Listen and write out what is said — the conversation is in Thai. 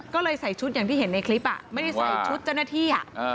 ก็เลยใส่ชุดอย่างที่เห็นในคลิปไม่ได้ใส่ชุดเจ้าหน้าที่